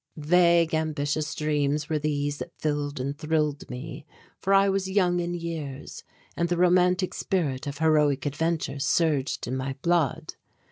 Vague ambitious dreams were these that filled and thrilled me, for I was young in years, and the romantic spirit of heroic adventure surged in my blood.